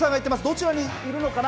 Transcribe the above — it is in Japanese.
どちらにいるのかな。